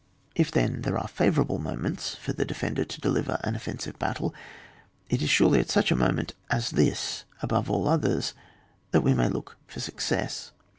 K then there are favourable moments for the defender to deliver an oflensive battle, it is surely at such a moment as this, above all others, that we may look for success.